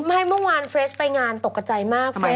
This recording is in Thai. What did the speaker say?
ไม่เมื่อวานฟเลสไปงานตกกระจายมาก